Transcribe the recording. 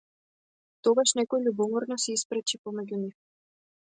Тогаш некој љубоморно се испречи помеѓу нив.